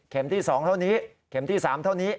ที่๒เท่านี้เข็มที่๓เท่านี้